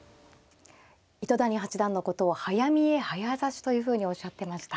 糸谷八段のことを早見え早指しというふうにおっしゃってました。